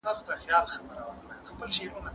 خپلي پوښتني له استاد څخه وپوښتئ.